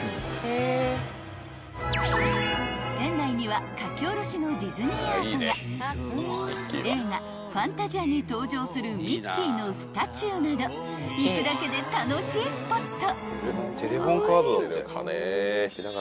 ［店内には描き下ろしのディズニーアートや映画『ファンタジア』に登場するミッキーのスタチューなど行くだけで楽しいスポット］